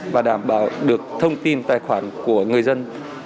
và đảm bảo được thông tin tài khoản của người dân